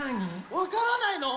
わからないの？